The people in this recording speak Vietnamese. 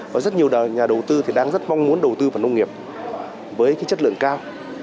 và rất nhiều nhà đầu tư thì đang rất mong muốn đầu tư vào nông nghiệp với chất lượng cao